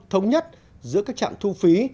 thống nhất giữa các trạm thu phí